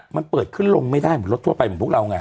มันเปิดขึ้นลงไม่ได้เหมือนรถทั่วไปของพวกเราไง